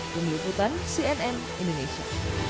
dumi ututan cnn indonesia